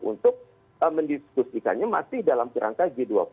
untuk mendiskusikannya masih dalam kerangka g dua puluh